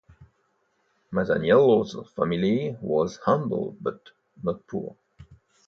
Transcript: Masaniello's family was humble but not poor.